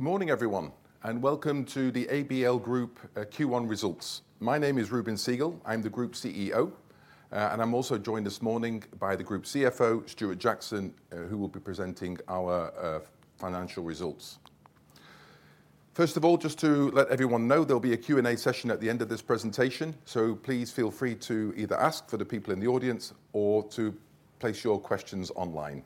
Good morning everyone, and welcome to the ABL Group Q1 Results. My name is Reuben Segal, I'm the Group CEO, and I'm also joined this morning by the Group CFO, Stuart Jackson, who will be presenting our financial results. First of all, just to let everyone know, there'll be a Q&A session at the end of this presentation, please feel free to either ask for the people in the audience or to place your questions online.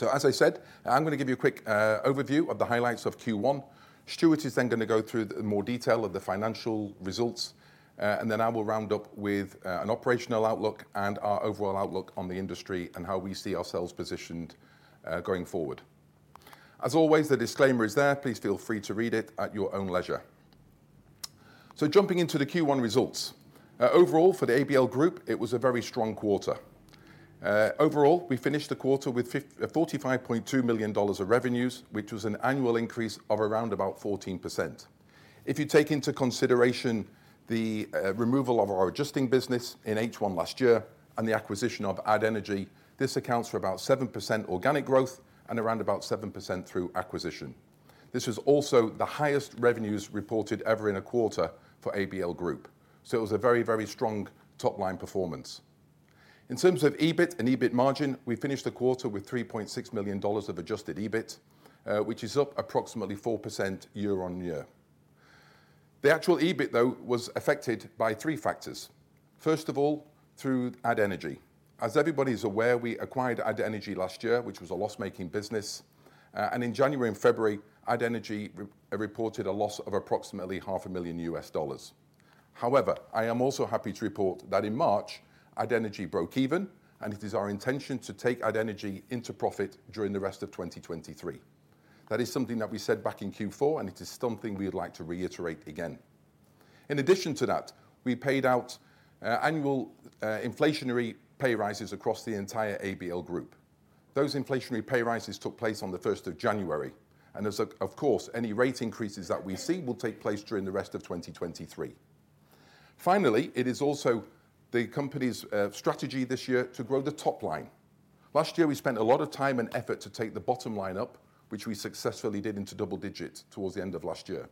As I said, I'm gonna give you a quick overview of the highlights of Q1. Stuart is then gonna go through the more detail of the financial results, I will round up with an operational outlook and our overall outlook on the industry and how we see ourselves positioned going forward. As always, the disclaimer is there. Please feel free to read it at your own leisure. Jumping into the Q1 results. Overall, for the ABL Group, it was a very strong quarter. Overall, we finished the quarter with $45.2 million of revenues, which was an annual increase of around about 14%. If you take into consideration the removal of our Adjusting Business in H1 last year and the acquisition of Add Energy, this accounts for about 7% organic growth and around about 7% through acquisition. This was also the highest revenues reported ever in a quarter for ABL Group. It was a very strong top-line performance. In terms of EBIT and EBIT margin, we finished the quarter with $3.6 million of adjusted EBIT, which is up approximately 4% year-on-year. The actual EBIT, though, was affected by three factors. First of all, through Add Energy. As everybody is aware, we acquired Add Energy last year, which was a loss-making business. In January and February, Add Energy re-reported a loss of approximately half a million U.S. dollars. However, I am also happy to report that in March, Add Energy broke even, and it is our intention to take Add Energy into profit during the rest of 2023. That is something that we said back in Q4. It is something we would like to reiterate again. In addition to that, we paid out annual inflationary pay rises across the entire ABL Group. Those inflationary pay rises took place on the first of January. As of course, any rate increases that we see will take place during the rest of 2023. Finally, it is also the company's strategy this year to grow the top line. Last year, we spent a lot of time and effort to take the bottom line up, which we successfully did into double digits towards the end of last year.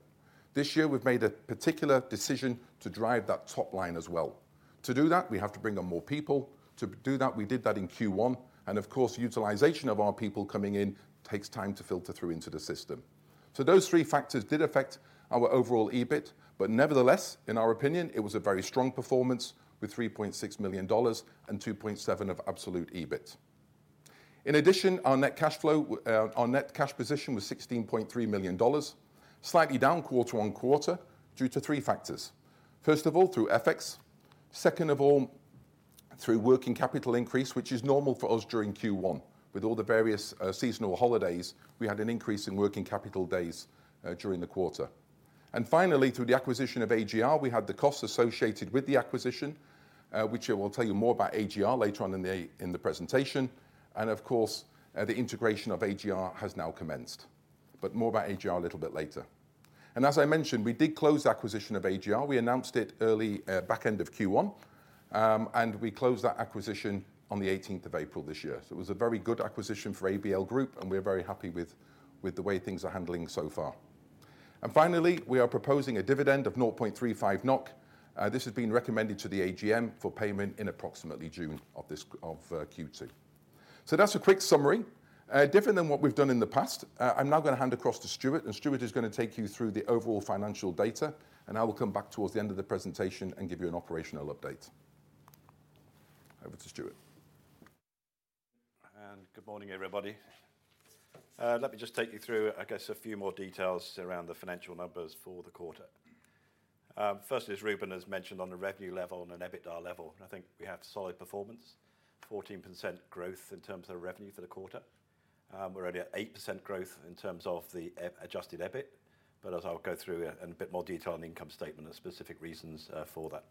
This year, we've made a particular decision to drive that top line as well. To do that, we have to bring on more people. To do that, we did that in Q1, and of course, utilization of our people coming in takes time to filter through into the system. Those three factors did affect our overall EBIT, but nevertheless, in our opinion, it was a very strong performance with $3.6 million and $2.7 of absolute EBIT. In addition, our net cash position was $16.3 million, slightly down quarter-on-quarter due to three factors. First of all, through FX. Second of all, through working capital increase, which is normal for us during Q1. With all the various seasonal holidays, we had an increase in working capital days during the quarter. Finally, through the acquisition of AGR, we had the costs associated with the acquisition, which I will tell you more about AGR later on in the presentation. Of course, the integration of AGR has now commenced. More about AGR a little bit later. As I mentioned, we did close the acquisition of AGR. We announced it early, back end of Q1, we closed that acquisition on the 18th of April this year. It was a very good acquisition for ABL Group, and we are very happy with the way things are handling so far. Finally, we are proposing a dividend of 0.35 NOK. This has been recommended to the AGM for payment in approximately June of Q2. That's a quick summary. Different than what we've done in the past, I'm now gonna hand across to Stuart, and Stuart is gonna take you through the overall financial data, and I will come back towards the end of the presentation and give you an operational update. Over to Stuart. Good morning, everybody. Let me just take you through, I guess, a few more details around the financial numbers for the quarter. Firstly, as Reuben has mentioned on a revenue level and an EBITDA level, and I think we have solid performance. 14% growth in terms of revenue for the quarter. We're only at 8% growth in terms of the EBIT, but as I'll go through in a bit more detail on the income statement the specific reasons for that.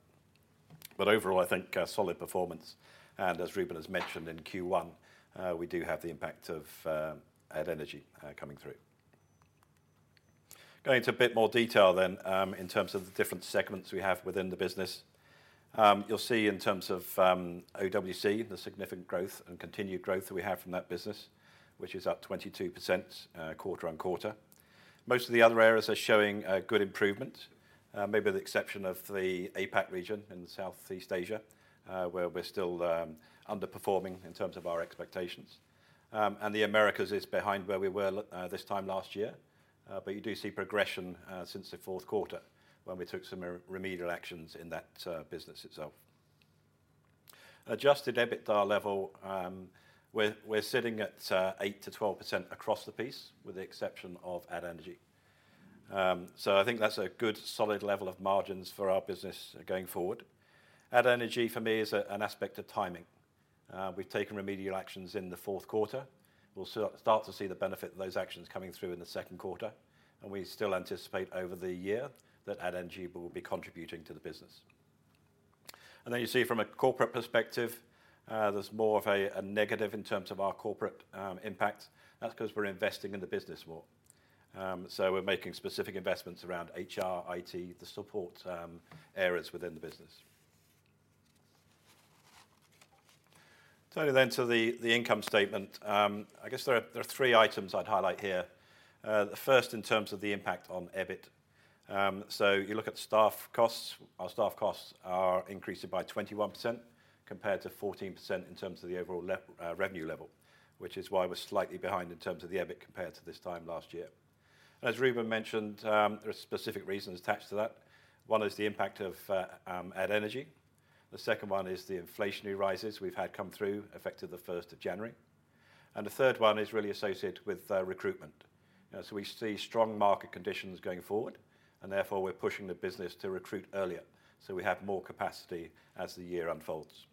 Overall, I think a solid performance, and as Reuben has mentioned in Q1, we do have the impact of Add Energy coming through. Going into a bit more detail then, in terms of the different segments we have within the business. You'll see in terms of OWC, the significant growth and continued growth that we have from that business, which is up 22% quarter-on-quarter. Most of the other areas are showing good improvement, maybe with the exception of the APAC region in Southeast Asia, where we're still underperforming in terms of our expectations. The Americas is behind where we were this time last year, but you do see progression since the fourth quarter when we took some remedial actions in that business itself. Adjusted EBITDA level, we're sitting at 8%-12% across the piece with the exception of Add Energy. I think that's a good solid level of margins for our business going forward. Add Energy for me is an aspect of timing. We've taken remedial actions in the fourth quarter. We'll start to see the benefit of those actions coming through in the second quarter. We still anticipate over the year that Add Energy will be contributing to the business. You see from a corporate perspective, there's more of a negative in terms of our corporate impact. That's 'cause we're investing in the business more. We're making specific investments around HR, IT, the support, areas within the business. Turning then to the income statement. I guess there are three items I'd highlight here. The first in terms of the impact on EBIT. You look at staff costs. Our staff costs are increasing by 21% compared to 14% in terms of the overall revenue level, which is why we're slightly behind in terms of the EBIT compared to this time last year. As Reuben mentioned, there are specific reasons attached to that. One is the impact of Add Energy. The second one is the inflationary rises we've had come through effective the 1st of January. The third one is really associated with recruitment. We see strong market conditions going forward, and therefore we're pushing the business to recruit earlier, so we have more capacity as the year unfolds.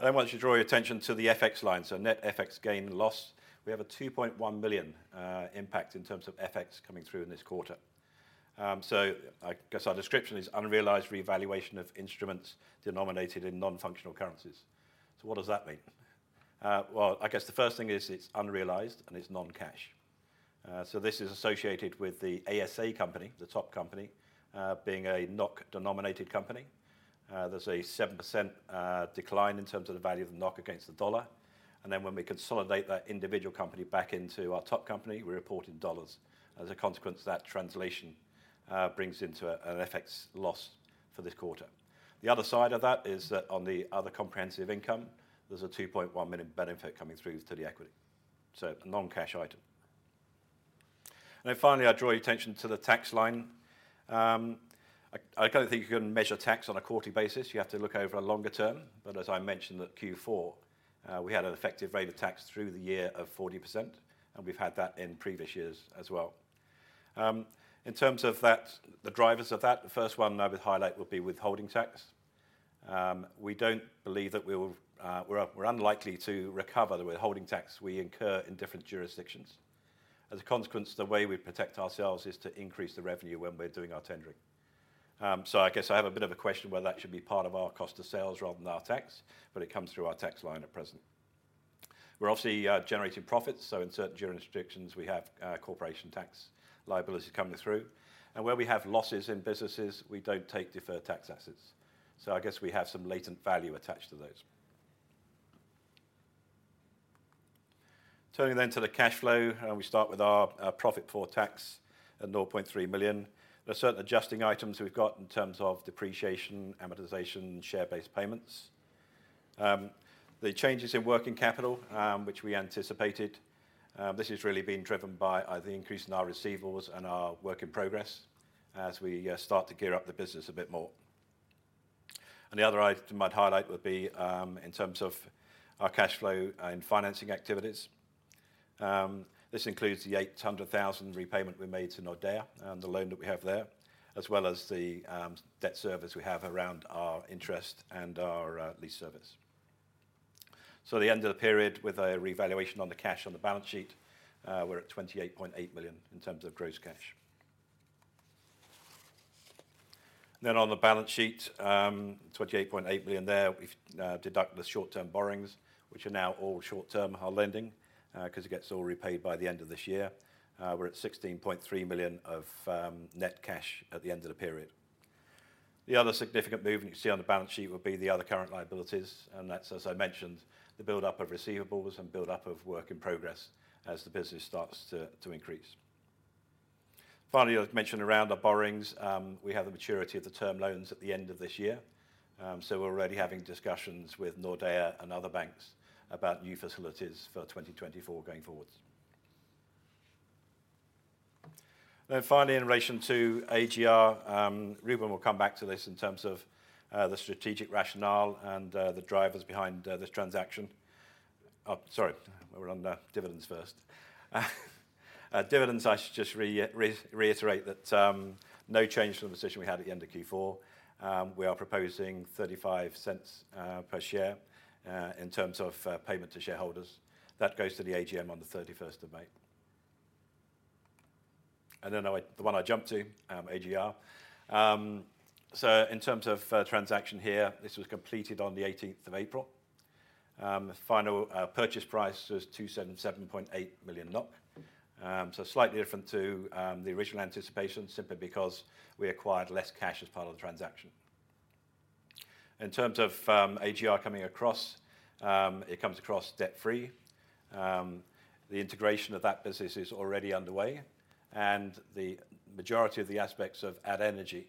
I want you to draw your attention to the FX line, so net FX gain loss. We have a $2.1 million impact in terms of FX coming through in this quarter. I guess our description is unrealized revaluation of instruments denominated in non-functional currencies. What does that mean? Well, I guess the first thing is it's unrealized and it's non-cash. This is associated with the ASA company, the top company, being a NOK-denominated company. There's a 7% decline in terms of the value of the NOK against the dollar, and then when we consolidate that individual company back into our top company, we report in dollars. As a consequence, that translation brings into an FX loss for this quarter. The other side of that is that on the other comprehensive income, there's a $2.1 million benefit coming through to the equity, so a non-cash item. Finally, I draw your attention to the tax line. I don't think you can measure tax on a quarterly basis. You have to look over a longer term. As I mentioned at Q4, we had an effective rate of tax through the year of 40%, and we've had that in previous years as well. In terms of that, the drivers of that, the first one that I would highlight would be withholding tax. We don't believe that we will. We're unlikely to recover the withholding tax we incur in different jurisdictions. As a consequence, the way we protect ourselves is to increase the revenue when we're doing our tendering. I guess I have a bit of a question whether that should be part of our cost of sales rather than our tax, but it comes through our tax line at present. We're obviously generating profits, so in certain jurisdictions we have corporation tax liability coming through. Where we have losses in businesses, we don't take deferred tax assets, so I guess we have some latent value attached to those. Turning to the cash flow, we start with our profit for tax at 0.3 million. There are certain adjusting items we've got in terms of depreciation, amortization, share-based payments. The changes in working capital, which we anticipated, this has really been driven by the increase in our receivables and our work in progress as we start to gear up the business a bit more. The other item I'd highlight would be in terms of our cash flow in financing activities. This includes the $800,000 repayment we made to Nordea and the loan that we have there, as well as the debt service we have around our interest and our lease service. The end of the period with a revaluation on the cash on the balance sheet, we're at $28.8 million in terms of gross cash. On the balance sheet, $28.8 million there. We've deducted the short-term borrowings, which are now all short-term, our lending, 'cause it gets all repaid by the end of this year. We're at $16.3 million of net cash at the end of the period. The other significant movement you see on the balance sheet would be the other current liabilities, that's, as I mentioned, the build-up of receivables and build-up of work in progress as the business starts to increase. Finally, I've mentioned around our borrowings, we have the maturity of the term loans at the end of this year. We're already having discussions with Nordea and other banks about new facilities for 2024 going forwards. Finally, in relation to AGR, Reuben will come back to this in terms of the strategic rationale and the drivers behind this transaction. Sorry, we're on dividends first. Dividends, I should just reiterate that no change from the position we had at the end of Q4. We are proposing 0.35 per share in terms of payment to shareholders. That goes to the AGM on the 31st of May. Now the one I jumped to, AGR. In terms of transaction here, this was completed on the 18th of April. The final purchase price was 277.8 million NOK. Slightly different to the original anticipation simply because we acquired less cash as part of the transaction. In terms of AGR coming across, it comes across debt-free. The integration of that business is already underway, and the majority of the aspects of Add Energy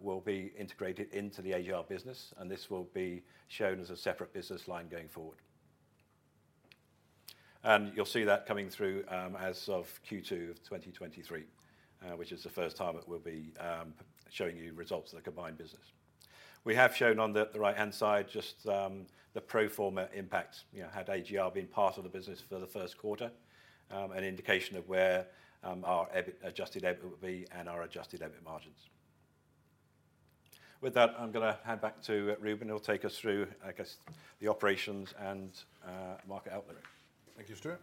will be integrated into the AGR business, and this will be shown as a separate business line going forward. You'll see that coming through as of Q2 of 2023, which is the first time that we'll be showing you results of the combined business. We have shown on the right-hand side just the pro forma impact, you know, had AGR been part of the business for the first quarter, an indication of where our EBIT, adjusted EBIT would be and our adjusted EBIT margins. With that, I'm gonna hand back to Reuben, who will take us through, I guess, the operations and market outlook. Thank you, Stuart.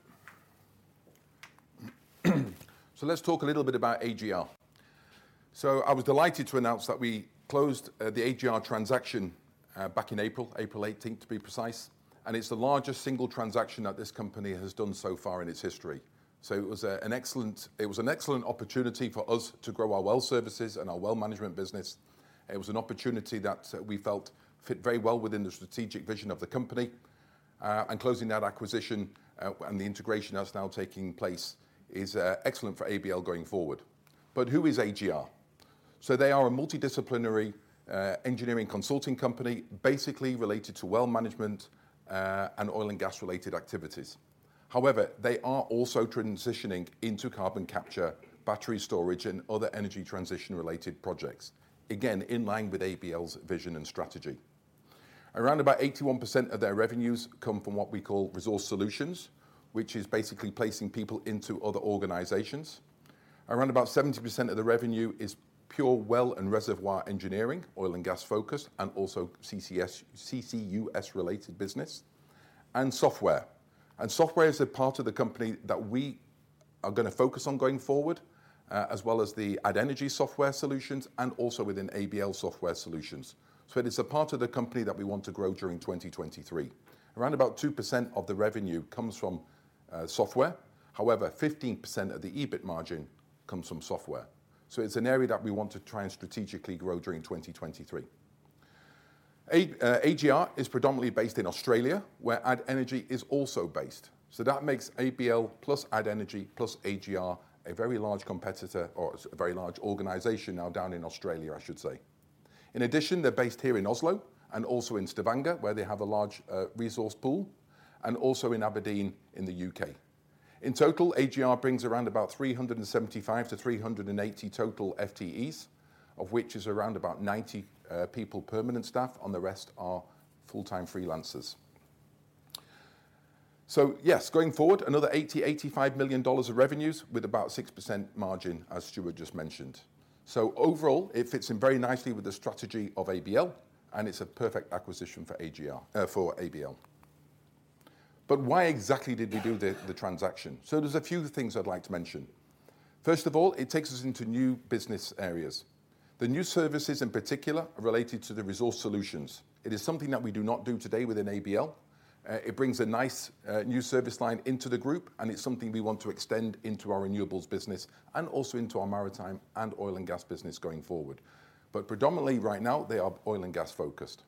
Let's talk a little bit about AGR. I was delighted to announce that we closed the AGR transaction back in April 18th to be precise, and it's the largest single transaction that this company has done so far in its history. It was an excellent opportunity for us to grow our well services and our well management business. It was an opportunity that we felt fit very well within the strategic vision of the company. Closing that acquisition and the integration that's now taking place is excellent for ABL going forward. Who is AGR? They are a multidisciplinary engineering consulting company, basically related to well management and oil and gas-related activities. However, they are also transitioning into carbon capture, battery storage, and other energy transition-related projects. In line with ABL's vision and strategy. Around about 81% of their revenues come from what we call resource solutions, which is basically placing people into other organizations. Around about 70% of the revenue is pure well and reservoir engineering, oil and gas focused, and also CCUS-related business and software. Software is a part of the company that we are gonna focus on going forward, as well as the Add Energy software solutions and also within ABL software solutions. It is a part of the company that we want to grow during 2023. Around about 2% of the revenue comes from software. However, 15% of the EBIT margin comes from software. It's an area that we want to try and strategically grow during 2023. AGR is predominantly based in Australia, where Add Energy is also based. That makes ABL plus Add Energy plus AGR a very large competitor or a very large organization now down in Australia, I should say. In addition, they're based here in Oslo and also in Stavanger, where they have a large resource pool, and also in Aberdeen in the U.K. In total, AGR brings around about 375-380 total FTEs, of which is around about 90 people permanent staff, and the rest are full-time freelancers. Yes, going forward, another $80 million-$85 million of revenues with about 6% margin, as Stuart just mentioned. Overall, it fits in very nicely with the strategy of ABL, and it's a perfect acquisition for AGR, for ABL. Why exactly did we do the transaction? There's a few things I'd like to mention. First of all, it takes us into new business areas. The new services in particular are related to the resource solutions. It is something that we do not do today within ABL. It brings a nice new service line into the group, and it's something we want to extend into our renewables business and also into our maritime and oil and gas business going forward. Predominantly right now, they are oil and gas focused.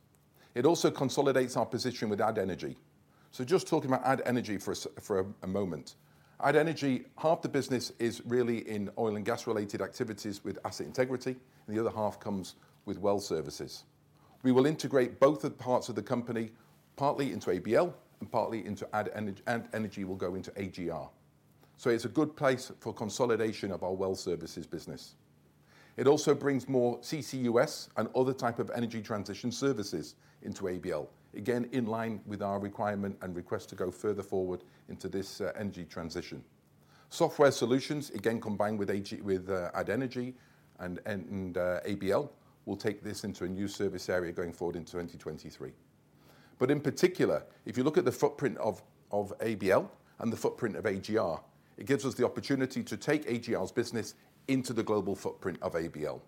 It also consolidates our position with Add Energy. Just talking about Add Energy for a moment. Add Energy, half the business is really in oil and gas-related activities with asset integrity, and the other half comes with well services. We will integrate both the parts of the company partly into ABL and partly into Add Energy, and Add Energy will go into AGR. It's a good place for consolidation of our well services business. It also brings more CCUS and other type of energy transition services into ABL. Again, in line with our requirement and request to go further forward into this energy transition. Software solutions, again, combined with Add Energy and ABL will take this into a new service area going forward in 2023. In particular, if you look at the footprint of ABL and the footprint of AGR, it gives us the opportunity to take AGR's business into the global footprint of ABL.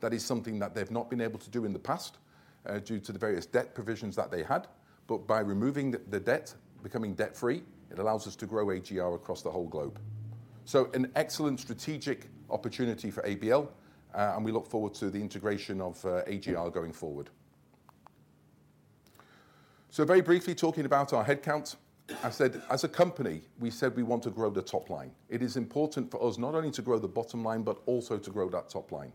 That is something that they've not been able to do in the past due to the various debt provisions that they had. By removing the debt, becoming debt-free, it allows us to grow AGR across the whole globe. An excellent strategic opportunity for ABL, and we look forward to the integration of AGR going forward. Very briefly talking about our headcount. I said as a company, we said we want to grow the top line. It is important for us not only to grow the bottom line, but also to grow that top line.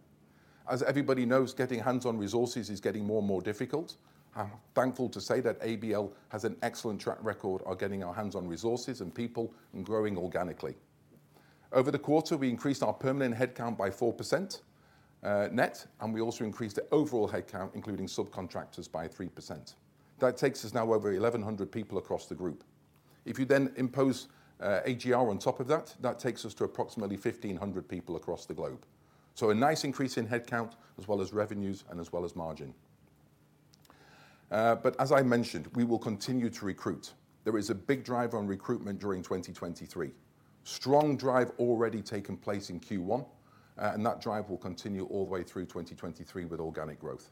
As everybody knows, getting hands-on resources is getting more and more difficult. I'm thankful to say that ABL has an excellent track record of getting our hands on resources and people and growing organically. Over the quarter, we increased our permanent headcount by 4% net, and we also increased the overall headcount, including subcontractors, by 3%. That takes us now over 1,100 people across the group. If you then impose AGR on top of that takes us to approximately 1,500 people across the globe. A nice increase in headcount as well as revenues and as well as margin. As I mentioned, we will continue to recruit. There is a big drive on recruitment during 2023. Strong drive already taking place in Q1, and that drive will continue all the way through 2023 with organic growth.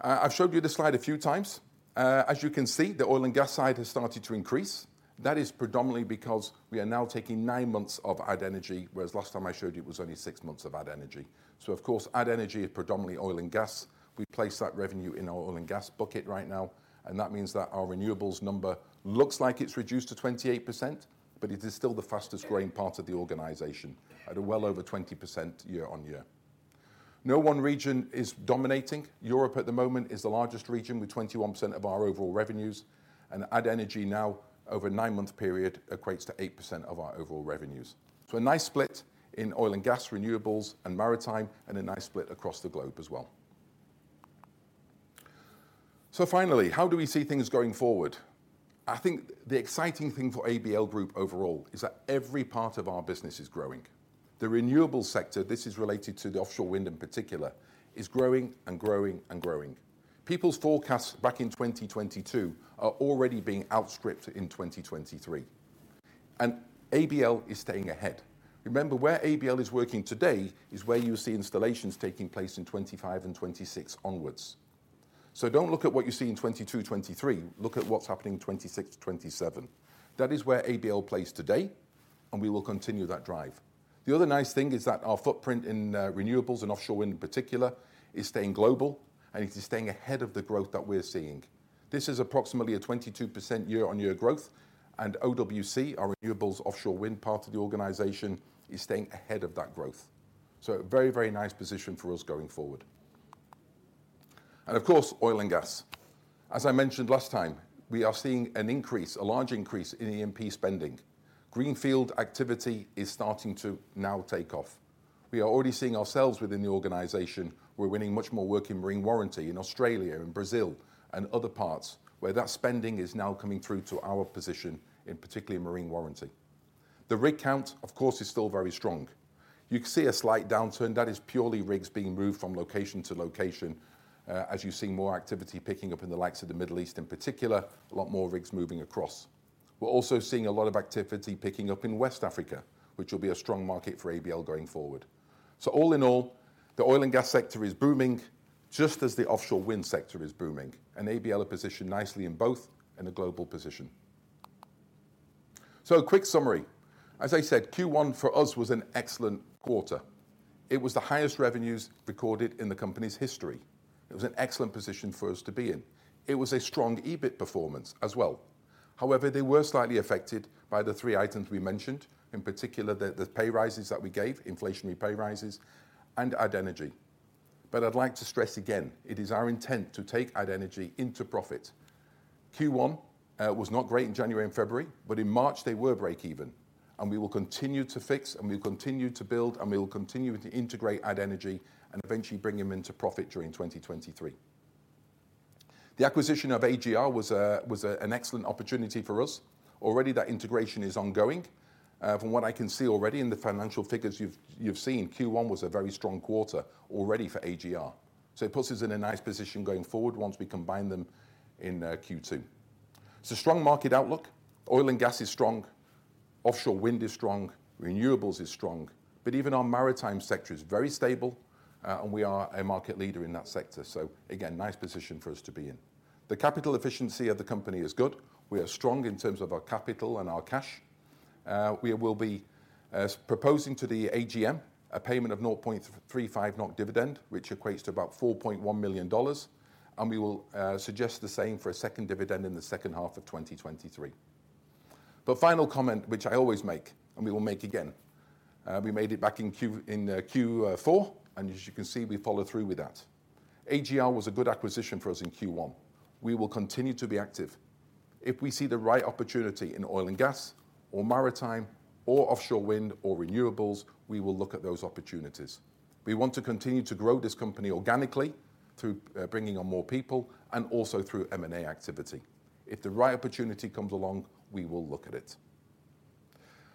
I've showed you this slide a few times. As you can see, the oil and gas side has started to increase. That is predominantly because we are now taking nine months of Add Energy, whereas last time I showed you it was only six months of Add Energy. Of course, Add Energy is predominantly oil and gas. We place that revenue in our oil and gas bucket right now, that means that our renewables number looks like it's reduced to 28%, but it is still the fastest growing part of the organization at a well over 20% year-on-year. No one region is dominating. Europe at the moment is the largest region with 21% of our overall revenues. Add Energy now over a nine-month period equates to 8% of our overall revenues. A nice split in oil and gas, renewables, and maritime, and a nice split across the globe as well. Finally, how do we see things going forward? I think the exciting thing for ABL Group overall is that every part of our business is growing. The renewables sector, this is related to the offshore wind in particular, is growing and growing and growing. People's forecasts back in 2022 are already being outstripped in 2023, and ABL is staying ahead. Remember, where ABL is working today is where you see installations taking place in 2025 and 2026 onwards. Don't look at what you see in 2022, 2023, look at what's happening in 2026, 2027. That is where ABL plays today, and we will continue that drive. The other nice thing is that our footprint in renewables and offshore wind in particular is staying global, and it is staying ahead of the growth that we're seeing. This is approximately a 22% year-on-year growth, and OWC, our renewables offshore wind part of the organization, is staying ahead of that growth. A very, very nice position for us going forward. Of course, oil and gas. As I mentioned last time, we are seeing an increase, a large increase in E&P spending. Greenfield activity is starting to now take off. We are already seeing ourselves within the organization. We're winning much more work in marine warranty in Australia and Brazil and other parts where that spending is now coming through to our position in particularly marine warranty. The rig count, of course, is still very strong. You can see a slight downturn that is purely rigs being moved from location to location, as you see more activity picking up in the likes of the Middle East in particular, a lot more rigs moving across. We're also seeing a lot of activity picking up in West Africa, which will be a strong market for ABL going forward. All in all, the oil and gas sector is booming just as the offshore wind sector is booming, and ABL are positioned nicely in both in a global position. A quick summary. As I said, Q1 for us was an excellent quarter. It was the highest revenues recorded in the company's history. It was an excellent position for us to be in. It was a strong EBIT performance as well. However, they were slightly affected by the three items we mentioned, in particular the pay rises that we gave, inflationary pay rises and Add Energy. I'd like to stress again, it is our intent to take Add Energy into profit. Q1 was not great in January and February, but in March they were breakeven, and we will continue to fix, and we'll continue to build, and we will continue to integrate Add Energy and eventually bring them into profit during 2023. The acquisition of AGR was an excellent opportunity for us. Already that integration is ongoing. From what I can see already in the financial figures you've seen, Q1 was a very strong quarter already for AGR. It puts us in a nice position going forward once we combine them in Q2. It's a strong market outlook. Oil and gas is strong, offshore wind is strong, renewables is strong, but even our maritime sector is very stable, and we are a market leader in that sector. Again, nice position for us to be in. The capital efficiency of the company is good. We are strong in terms of our capital and our cash. We will be proposing to the AGM a payment of 0.35 NOK dividend, which equates to about $4.1 million, and we will suggest the same for a second dividend in the second half of 2023. Final comment, which I always make, and we will make again, we made it back in Q4, and as you can see, we followed through with that. AGR was a good acquisition for us in Q1. We will continue to be active. If we see the right opportunity in oil and gas or maritime or offshore wind or renewables, we will look at those opportunities. We want to continue to grow this company organically through bringing on more people and also through M&A activity. If the right opportunity comes along, we will look at it.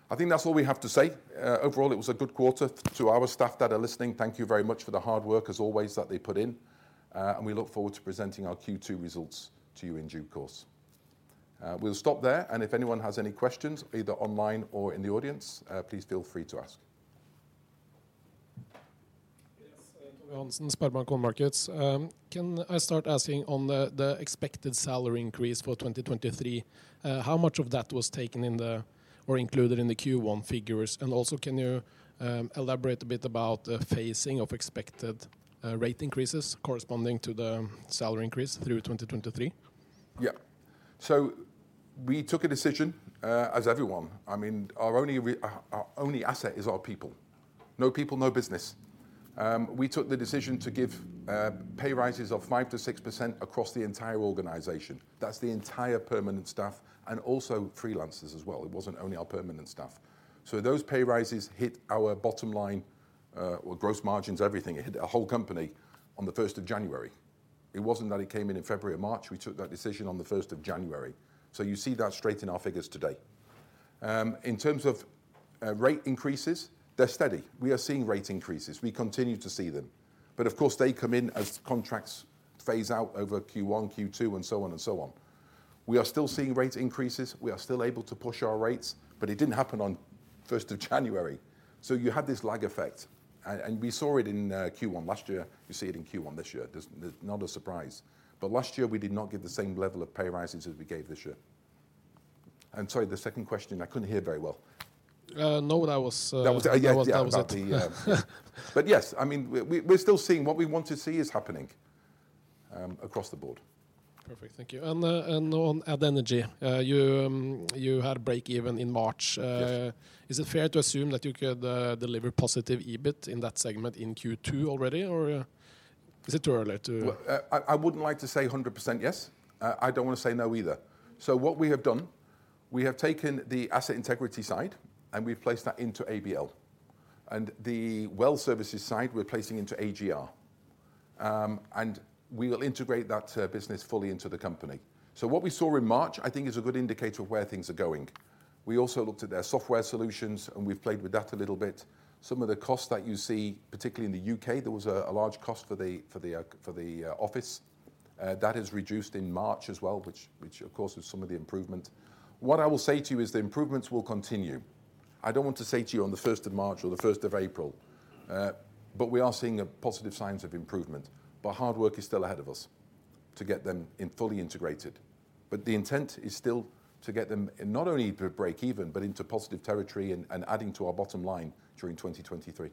I think that's all we have to say. Overall, it was a good quarter. To our staff that are listening, thank you very much for the hard work as always that they put in, and we look forward to presenting our Q2 results to you in due course. We'll stop there, and if anyone has any questions, either online or in the audience, please feel free to ask. Yes. Tommy Johannessen, SpareBank 1 Markets. Can I start asking on the expected salary increase for 2023? How much of that was taken in the or included in the Q1 figures? Also, can you elaborate a bit about the phasing of expected rate increases corresponding to the salary increase through 2023? We took a decision, as everyone. I mean, our only asset is our people. No people, no business. We took the decision to give pay rises of 5%-6% across the entire organization. That's the entire permanent staff and also freelancers as well. It wasn't only our permanent staff. Those pay rises hit our bottom line, or gross margins, everything. It hit a whole company on the first of January. It wasn't that it came in in February or March. We took that decision on the first of January. You see that straight in our figures today. In terms of rate increases, they're steady. We are seeing rate increases. We continue to see them. Of course, they come in as contracts phase out over Q1, Q2, and so on and so on. We are still seeing rate increases. We are still able to push our rates, it didn't happen on first of January. You have this lag effect. We saw it in Q1 last year. You see it in Q1 this year. There's not a surprise. Last year we did not give the same level of pay raises as we gave this year. Sorry, the second question, I couldn't hear very well. No that was. That was, yeah. That was it. Yes, I mean, we're still seeing what we want to see is happening, across the board. Perfect. Thank you. On Add Energy, you had breakeven in March. Yes. Is it fair to assume that you could deliver positive EBIT in that segment in Q2 already, or is it too early? Well, I wouldn't like to say 100% yes. I don't wanna say no either. What we have done, we have taken the asset integrity side, and we've placed that into ABL. The well services side, we're placing into AGR. We will integrate that business fully into the company. What we saw in March, I think, is a good indicator of where things are going. We also looked at their software solutions, and we've played with that a little bit. Some of the costs that you see, particularly in the U.K., there was a large cost for the office. That has reduced in March as well, which of course is some of the improvement. What I will say to you is the improvements will continue. I don't want to say to you on the 1st of March or the 1st of April, we are seeing a positive signs of improvement. Hard work is still ahead of us to get them in fully integrated. The intent is still to get them not only to break even, but into positive territory and adding to our bottom line during 2023.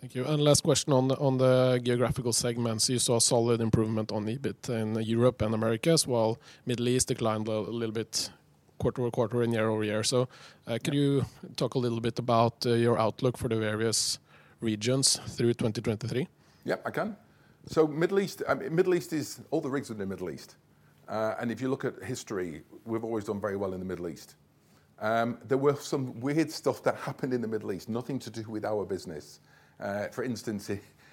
Thank you. Last question on the geographical segments. You saw solid improvement on EBIT in Europe and Americas, while Middle East declined a little bit quarter-on-quarter and year-over-year. Could you talk a little bit about your outlook for the various regions through 2023? Yeah, I can. Middle East, Middle East, all the rigs are in the Middle East. If you look at history, we've always done very well in the Middle East. There were some weird stuff that happened in the Middle East, nothing to do with our business. For instance,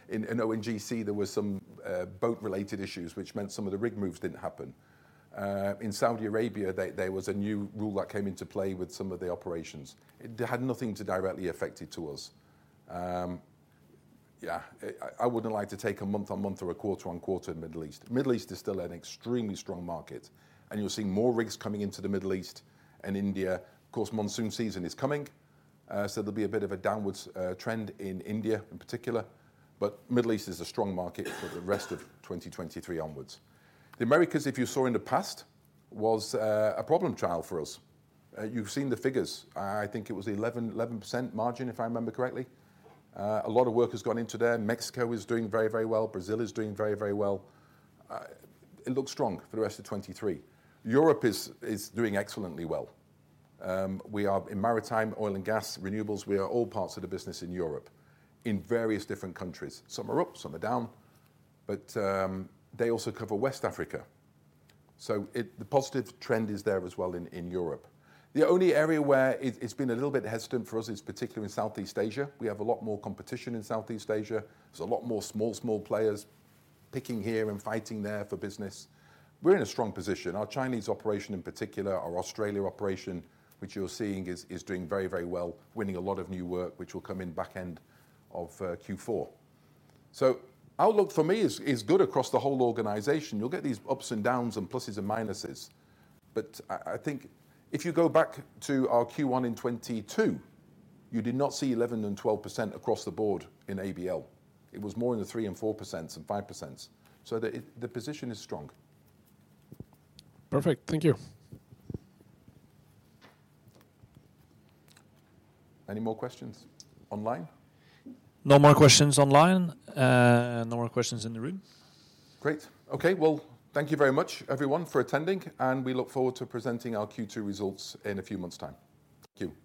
in ONGC, there were some boat-related issues which meant some of the rig moves didn't happen. In Saudi Arabia, there was a new rule that came into play with some of the operations. It had nothing to directly affect it to us. Yeah, I wouldn't like to take a month-on-month or a quarter-on-quarter in Middle East. Middle East is still an extremely strong market, and you're seeing more rigs coming into the Middle East and India. Of course, monsoon season is coming, so there'll be a bit of a downwards trend in India in particular. Middle East is a strong market for the rest of 2023 onwards. The Americas, if you saw in the past, was a problem child for us. You've seen the figures. I think it was 11% margin, if I remember correctly. A lot of work has gone into there. Mexico is doing very, very well. Brazil is doing very, very well. It looks strong for the rest of 2023. Europe is doing excellently well. We are in maritime, oil and gas, renewables, we are all parts of the business in Europe in various different countries. Some are up, some are down. They also cover West Africa. The positive trend is there as well in Europe. The only area where it's been a little bit hesitant for us is particularly in Southeast Asia. We have a lot more competition in Southeast Asia. There's a lot more small players picking here and fighting there for business. We're in a strong position. Our Chinese operation in particular, our Australia operation, which you're seeing is doing very, very well, winning a lot of new work, which will come in back end of Q4. Outlook for me is good across the whole organization. You'll get these ups and downs and pluses and minuses. I think if you go back to our Q1 in 2022, you did not see 11 and 12% across the board in ABL. It was more in the 3% and 4% and 5%. The position is strong. Perfect. Thank you. Any more questions online? No more questions online, no more questions in the room. Great. Okay. Well, thank you very much everyone for attending. We look forward to presenting our Q2 results in a few months time. Thank you.